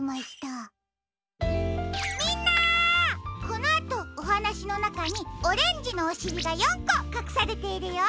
このあとおはなしのなかにオレンジのおしりが４こかくされているよ。